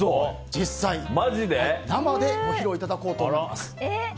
実際生でご披露いただこうと思います。